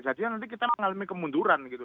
nanti kita mengalami kemunduran gitu